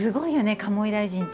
鴨井大臣って。